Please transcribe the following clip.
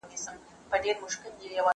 هم مُلا هم گاونډیانو ته منلی